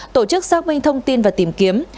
tổ chức xác minh thông tin và tìm kiếm